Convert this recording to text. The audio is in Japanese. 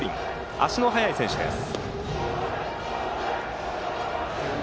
足の速い選手です。